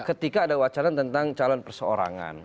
ketika ada wacana tentang calon perseorangan